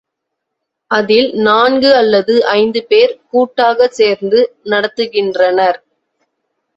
அதில் நான்கு அல்லது ஐந்துபேர் கூட்டாகச் சேர்ந்து நடத்துகின்றனர்.